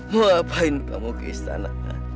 mau ngapain kamu ke istana